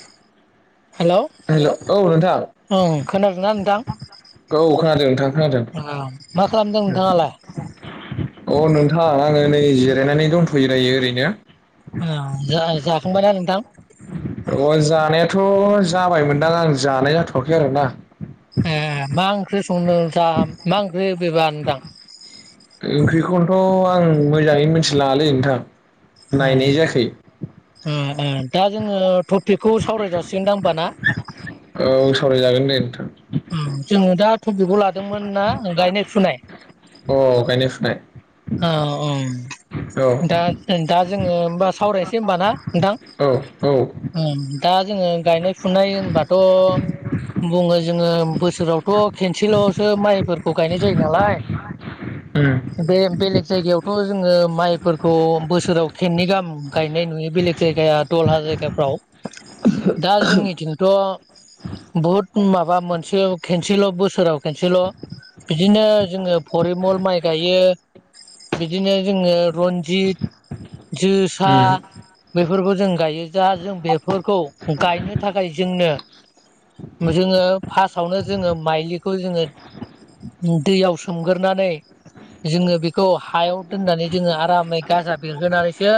[inaudible] हेल' hello औ नोंथां ओं खोनादों ना नोंथां औ खोनादों नोंथां खोनादों ओं मा खालामदों नोंथाङालाय? औ नोंथां आङो नै जिरायनानै दोनथ'यो दायो ओरैनो जा जाखांबायना नोंथां? अ जानायाथ' जाबायमोनदां आं जानाय जाथ'वाखै आरोना ए मा ओंख्रि संनो जा मा ओंख्रि बेबा नोंथां थ' आं मोजाङैनो मिथिलाय लाङालै नोंथां ओं नायनाय जायाखै ओ ओ दा जोङो टपिकखौ सावराय जासिगोनदां होमब ना औ सावरायजागोन दे नोंथां ओम जोङो दा टपिकखौ लादोंमोन ना गायनाय फुनाय अ गायनाय फुनाय अ औ दा दा जोङो होमबा सावरायनोसै होमबा ना नोंथां औ ओं औ दा जोङो गायनाय फुनाय होनबाथ' बुङो जोङो बोसोरावथ' खेनसेल'सो माइफोरखौ गायनाय जायो नालाय उम बे बेलेग जायगायावथ' जोङो माइफोरखौ बोसोराव खेननै गाहाम गायनाय नुयो बेलेग जायगाया दलहा जायगाफ्राव दा जोंनिथिंथ'। बहुद माबा मोनसे खनसेल' बोसोराव खनसेल'। बिदिनो जोङो फरिमल माइ गायो। बिदिनो जोङो रन्जित जोसा। उम बेफोरखौ जों गायो जाह जों बेफोरखौ गायनो थाखाय जोंनो। जोङो फार्स्टआवनो जोङो माइलिखौ जोङो। दैयाव सोमगोरनानै जोङो बे। खौ हायाव दोननानै जोङो आरामै गाजा बेरहोनानैसो।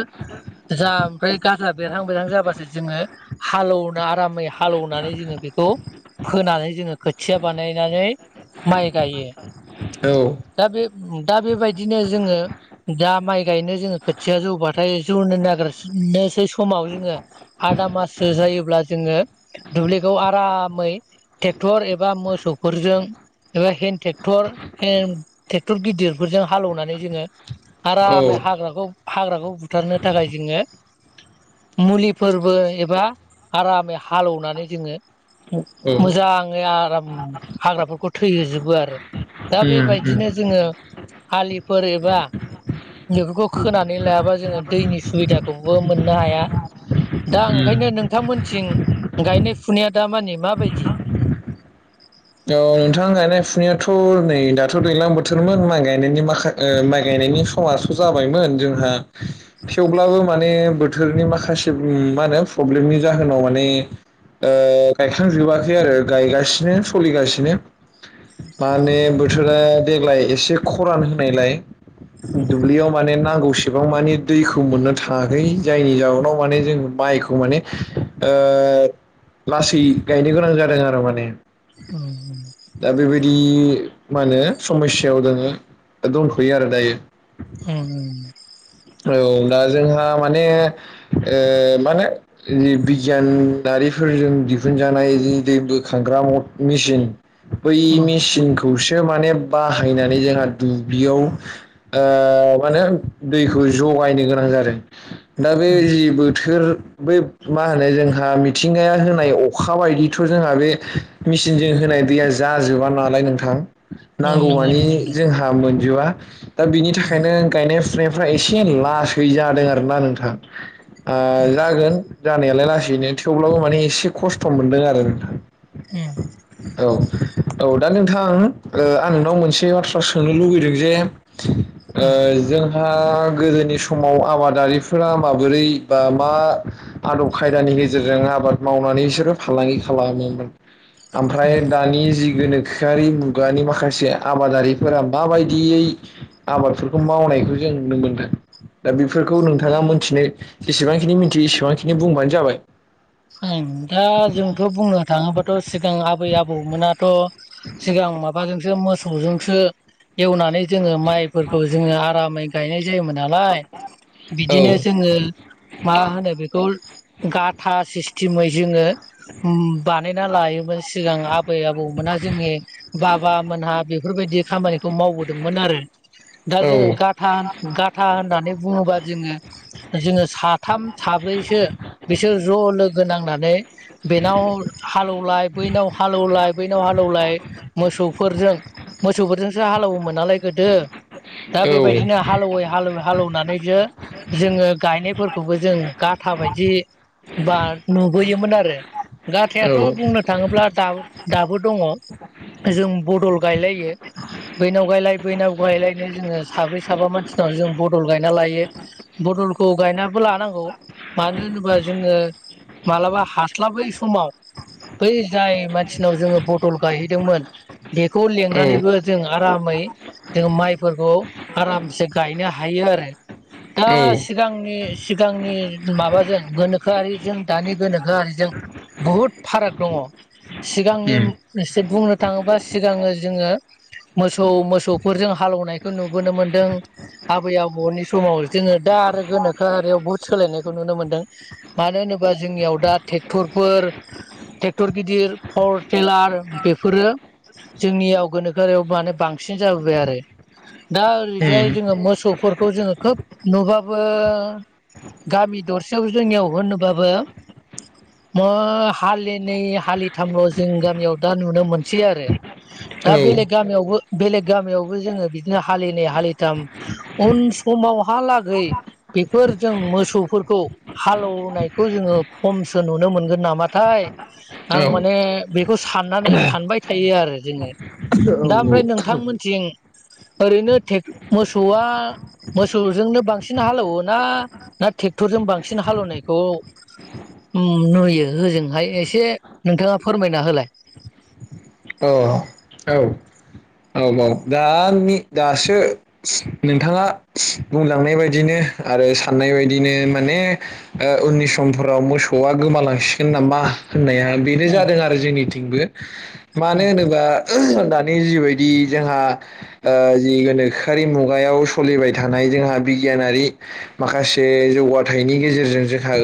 जा ओमफ्राय गाजा बेरहां बेरहां जाबासो जोङो हालोवना आरामै हालेवनानै जोङो। बेखौ फोनानै जोङो खोथिया बानायनानै माइ गायो। औ। दा बे दा बेबायदिनो जोङो। दा माइ गायनो जोङो खोथिया जौबाथाय जौनो नागिरनोसै समाव जोङो हा आदा माससो जायोब्ला जोङो दुब्लिखौ आरामै टेक्टर एबा मोसौफोर। जों एबा हेन टेकटर हेन टेकटर गिदिरफोरजों। हालेवनानै जोङो औ आरामै हाग्राखौ हाग्राखौ बुथारनो थाखाय जोङो। मुलिफोरबो एबा आरामै हालेवनानै जोङो। औ मोजाङै आराम हाग्राफोरखौ थैहोजोबो आरो। दा उम उम बेबायदिनो जोङो आलिफोर एबा। बेफोरखौ खोनानै लायाबा जोङो दैनि सुबिदाखौबो मोननो हाया। दा उम ओंखायनो नोंथांमोनथिं गायनाय फुनाया दामानि माबायदि। [inaudible] औ नोंथां गायनाय फुनायाथ' नै दाथ' दैलां बोथोरमोन माइ गायनायनि माखा माइ गायनाय। नि समास' जाबायमोन जोंहा थेवब्लाबो माने बोथोरनि माखासे मु मा नो प्रब्लेमनि जाहोनाव माने गायखांजोबाखै आरो गायगासिनो। सलिगासिनो माने बोथोरा देग्लाय एसे खरान होनायलाय। उम दुब्लियाव माने ना गौसि बां मानि दैखौ मोननो थाङाखै जायनि जाहोनाव माने जों माइखौ माने ओ। ओ लासै गायनो गोनां जादों आरो माने। [unintelligible] दा बेबायदि मा ओनो समयसायाव दोङो दंथ'यो आरो दायो। ओम। औ दा जोंहा माने ओ माने जि बिगियानदारि। फोरजों दिहुनजानाय जि दै बोखांग्रा अद मेसिन बै उम उम मेसिन जौसे माने बाहायनानै जोंहा दुब्लियाव ओ मानो होनो दै खौ जगायनो गोनां जादों दा बे उम जि बोथोर। बै मा होनो जोंहा मिथिंगाया होनाय अखा बायदिथ' जोंहा बे मिसिनजो होनाय दैया जाजोबा नालाय नोंथां। नंगौ नंगौ नांगौमानि नोंथां जोंहा मोनजोबा दा बिनि उम थाखायनो गायनाय फु एसे लासै जादों आरोना नोंथां ओ जागोन। नायालाय लासैनो थेवब्लाबो माने एसे खस्थ' मोन्दों आरो नोंथां। उम औ औ। दा नोंथां ओ आं नोंनाव मोनसे बाथ्रा सोंनो लुबैदों जे ओ उम उम जों हा गोदोनि समाव आबादारिफोरा माबोरै बा मा आदब खायदानि गेजेरजों आबाद मावनानै इसोरो फालांगि खालामोमोन ओमफ्राय उम दानि जि गोनोखोआरि मुगानि माखासे आबादारिफोरा माबायदियै आबादफोरखौ मावनायखौ जों नुनो मोनो दा बिफोरखौ नोंथाङा दा मोनथिनो एसेबांखिनि मिन्थियो इसेबांखिनि बुंबानो जाबाय। ओं दा जोंथ' बुंनो थ' सिगां माबाजोंसो मोसौजोंसो। एवनानै जोङो माइफोरखौ जोङो आरामै गायनाय जायोमोन। नालाय औ बिदिनो जों माहोनो गाथा सिसथिमै जोङो मो बानायना लायोमोन सिगां आबै आबौमोनहा जोंनि बाबामोनहा बेफोरबायदि खामानिखौ मावबोदोंमोन आरो दा औ जोङो गाथा गाथा होननानै बुङोबा जोङो जोङो साथाम साब्रैसो बिसोर ज' लोगो नांनानै बेनाव हालौलाय बैनाव हालौलाय बैनाव हालौलाय मोसौफोरजों मोसौफोरजोंसो हालौवोमोन नालाय गोदो दा औ बेबायदिनो औ हालौवै हालौवै हालौवनानै जो जोङो गायनाय खौबो जों गाथा बायदि बा नुबोयोमोन आरो औ औ गाथायाथ' बुंनो थाङोब्ला दा दाबो दङ। जों बदल गायलायो बैनाव गायलाय बैनाव गायलायनो जोङो साब्रै साबा मानसि जों बदल गायना लायो बदलखौ गायनाबो लानांगौ मानो होनोबा जोङो मालाबा हास्लाबै समाव बै जाय मानसिनाव जोङो बदल गायहैदोंमोन। बेखौ लिंनानैबो जों आरामै जों माइफोरखौ आरामसे गायनो हायो आरो दा सिगांनि सिगांनि माबाजों गोनो खोआरिजों दानि गोनोखोआरिजों बुहुत फाराग दङ सिगांनि उम बुंनो थाङोब्ला सिगाङो जोङो मोसौ मोसौफोरजों हालौवनायखौ नुबोनो मोनदों। आबै आबौनि समाव जोङो दा आरो गोनोखोआरियाव बुहुद सोलायनायखौ नुनो मोन्दों। मानो होनोबा जोंनियाव दा ट्रेक्टरफोर ट्रेक्टर गिदिर पावार टेलार बेफोरो जोंनियाव गोनोखोयारि माने बांसिन जाबोबाय आरो। दा उम ओरैजाय जोङो मोसौफोरखौ जोङो खोब नुबाबो ओ गामि दरसेयाव जोंनियाव होनोबाबो हालिनै हालिथामल' जों गामियाव दा नुनो मोनसै आरो। दा औ बेलेग गामियावबो बेलेग गामियावबो जोङो बिदिनो हालिनायै हालिथाम उन समावहालागै बेफोर जों मोसौफोरखौ हालौ नायखौ जोङो खमसो नुनो मोनगोन नामाथाय? औ आं माने बेखौ साननानै सानबाय थायो आरो जोङो। दा ओमफ्राय नोंथांमोनथिं ओरैनो मोसौआ मोसौजोंनो बांसिन हालेवो ना ना ट्रेक्टरजों बांसिन हालेवनायखौ नुयो होजोंहाय एसे नोंथाङा फोरमायना होलाय। औ अ औ औ दानि दासो नोंथाङा बुंलांनाय बायदिनो आरो साननाय बायदिनो माने ओ उननि समफोराव मोसौआ गोमालांसिगोन नामा? होननाया बेनो उम जादों आरो जोंनिथिंबो मानो उम होनोबा दानि जिबायदि बि जोंहा ओ जि गोनोखोआरि मुगायाव सोलिबाय थानाय जोंहा बिगियानारि माखासे जौगाथायनि गेजेरजों जोंहा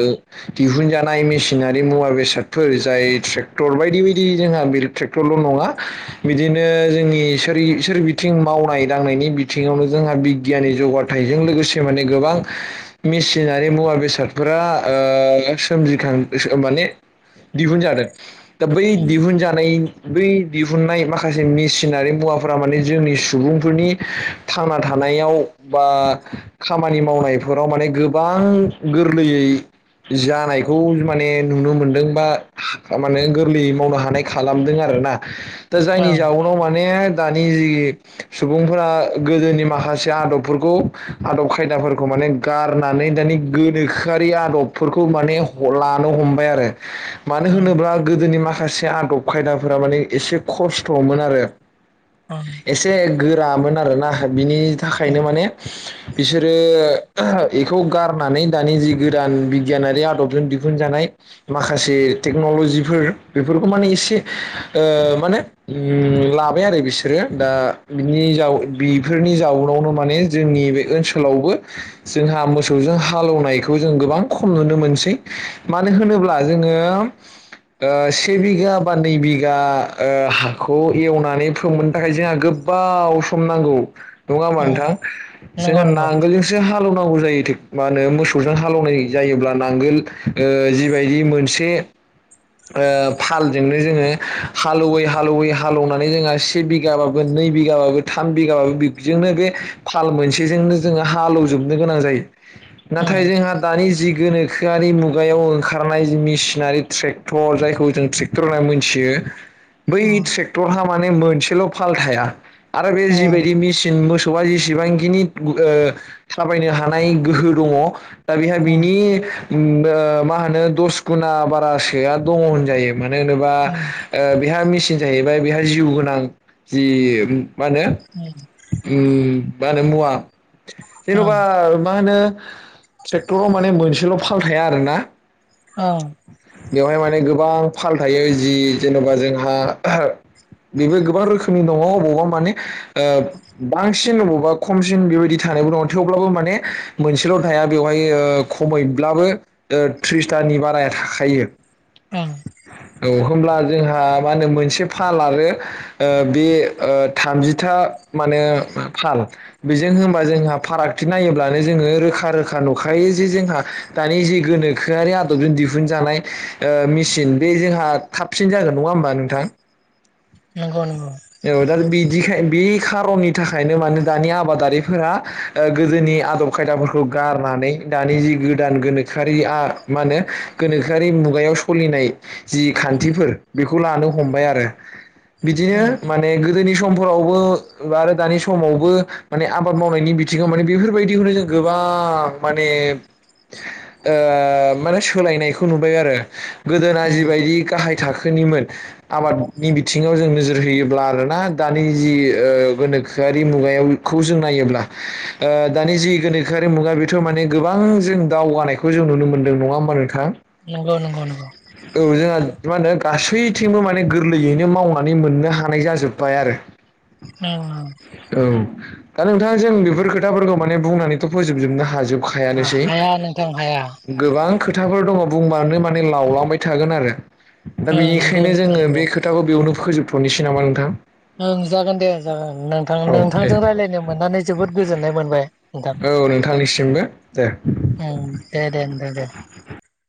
दिहुनजानाय मेसिनारि मुवा बेसाद बेासादफोर जाय ट्रेक्टर बायदि बायदि जोंहा बे ट्रेक्टरल' नङा बिदिनो जोंनि सोर सोर बिथिं मावनाय दांनायनि बिथिङावनो जोंहा बिगियाननि जौगाथायजों लोगोसे माने गोबां मेसिनारि मुवा बेसादफोरा ओ सोमजिखां माने दिहुनजादों दा बै उम दिहुनजानाय बै दिहुननाय माखासे मेसिनारि मुवाफोरा माने जोंनि सुबुंफोरनि थांना थानायाव बा खामानि माव नायफोराव माने गोबां गोरलैयै जानायखौ माने नुनो मोनदों बा माने गोरलैयै मावनो हानाय खालामदों आरो। ना दा जायनि जाउनाव माने दानि जि सुबुंफोरा गोदोनि माखासे आदबफोरखौ आदब खायदाफोरखौ माने माने गारनानै दानि गोनोखोआरि आदबफोरखौ माने लानो हमबाय आरो। मानो उम उम होनोब्ला गोदोनि माखासे से आदब खायदाफोरा माने एसे खस्थ'मोन आरो एसे गोरामोन आरोना बिनि उम थाखायनो माने बिसोरो एखौ गारनानै दानि जि गोदान बिगियानारि आदबजों दिहुनजानाय माखासे टेक्नलजि फोर बेफोरखौ माने एसे ओ माने लाबाय आरो बिसोरो दा बिनि जा बेफोरनि जाउनावनो माने जोंनि बे ओनसोलावबो जोंहा मोसौजों हालौवनायखौ जों गोबां खम नुनो मोनसै मानो होनोब्ला जोङो ओ से बिगा बा नै बिगा हाखौ एवनानै फोमोन थाखाय जोंहा गोबाव सम नांगौ नङा होमबा उम नोंथां नंगौ जोंहा नंगौ नांगोलजोंसो हा लौ नांगौ जायो मा होनो मोसौजों हालौनाय जायोब्ला नांगोल जिबायदि मोनसे फालजोंनो जोङो हालौवै हालौवै हालौनानै जों से बिगाबाबो नै बिगाबाबो थाम बिगाबाबो बेनो बे फाल मोनसेजोंनो जोङो हालौ जो बनो गोनां जायो नाथाय ओं जोंहा दानि जि गोनोखोआरि मुगायाव ओंखारनाय मेसिनारि ट्रेक्टर जायखौ जों ट्रेक्टर होनना मोनथियो। [unintelligible] बै ओं ट्रेक्टरहा माने मोनसेल' फाल थाया आरो बे ओं जिबायदि मेसिन मोसौ सौआ जेसेबांखिनि थाबायनो हानाय गोहो दङ दा बेहा ओं बिनि मा होनो दस गुना बारासोआ दङ होनजायो। मानो होनोबा ओं ओ बेहा मेचिन जाहैबाय बेहा जिउ गोनां जि मा होनो मा होनो मुवा ओं जेन'बा मा होनो? ट्रेक्टराव माने मोनसेल' फाल थाया आरोना ओं बेवहाय माने गोबां फाल थायो जि जेन'बा जोंहा बेबो गोबां रोखोमनि दङ अबावबा माने ओ बांसिन अबावबा खमसिन बेबायदि थायो थेवब्लाबो माने मोनसेल' थाया बेवहाय खमैब्लाबो ओ त्रिसथानि बाराया थाखायो ओं ओ होमब्ला जोंहा मा होनो मोनसे फाल आरो ओ बे ओ थामजिथा माने फाल बेजों होनबा जोंहा फारागथि नायोब्लानो जोङो रोखा रोखा नुखायो यो जे जोंहा दानि जे गोनोखोआरि आदबजों दिहुन दिहुनजानाय मेसिन बे जोंहा थाबसिन जागोन नङा होमबा नोंथां? नंगौ नंगौ बेखाय बे खारननि थाखायनो माने दानि आबादारिफोरा ओ गोदोनि आदब खायदाफोरखौ गारनानै दानि जि गोदान गोनोखोआरि आ मा होनो गोनोखोआरि मुगायाव सलिनाय जि खान्थिफोर बेखौ लानो हमबाय आरो बिदिनो ओं माने गो गोदोनि समफोरावबो आरो दानि समावबो माने आबाद मावनायनि बिथिङाव माने बेफोरबायदिखौनो जों गोबां माने ओ माने सोलायनाय खौ नुबाय आरो गोदोना ओं जिबायदि गाहाय थाखोनिमोन आबादनि बिथिङाव जों नोजोर होयोब्ला आरोना दानि जि ओ गोनोखोआरि मुगायावखौ जों नायोब्ला ओ दानि जि गोनोखोआरि मुगा बेथ' माने गोबां जों दावगानायखौ जों नुनो मोन्दों नङा होमबा नोंथां? नंगौ नंगौ नंगौ औ जोंहा मा होनो गासैथिंबो माने गोरलैयैनो मावनानै मोननो हानाय जाजोब्बाय आरो ओं औ दा नोंथां जों बेफोर खोथाफोरखौ माने बुंनानैथ' फोजोबजोबनो हाजोब ओं खायानोसै हाया नोंथां हाया गोबां खोथाफोर दङ' बुंबानो माने लावलांबाय थागोन आरो दा ओं नंगौ बेनिखायनो नोंथां जोङो नंगौ बे खोथाखौ बेयावनो फोजोबथ'नोसै नामा नोंथां? ओं जागोन दे जागोन नोंथां औ दे नोंथांजों रायज्लायनो मोननानै जोबोद गोजोननाय मोनबाय नोंथां औ नोंथांनिसिमबो दे ओ दे दे होनदो दे